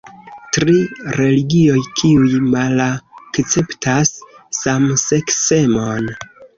Tri religioj kiuj malakceptas samseksemon.